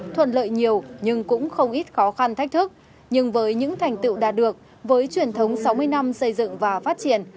thuận lợi nhiều nhưng cũng không ít khó khăn thách thức nhưng với những thành tựu đạt được với truyền thống sáu mươi năm xây dựng và phát triển